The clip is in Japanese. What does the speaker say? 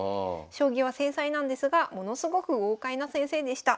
将棋は繊細なんですがものすごく豪快な先生でした。